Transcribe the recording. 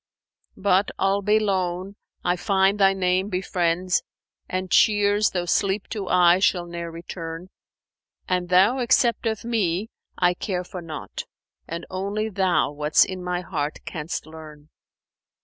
But, albe lone, I find Thy name befriends * And cheers, though sleep to eyes shall ne'er return: An thou accept of me, I care for naught; * And only Thou what's in my heart canst learn!"